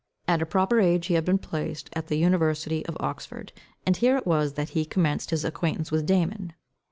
At a proper age he had been placed at the university of Oxford, and here it was that he commenced his acquaintance with Damon.